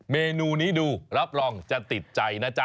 เมนูนี้ดูรับรองจะติดใจนะจ๊ะ